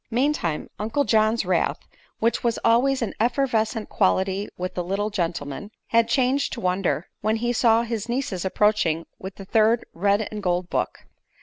Meantime Uncle John's wrath, which was always an effervescent quality with the little gentleman, had changed to wonder when he saw his nieces approaching with the third red and gold book.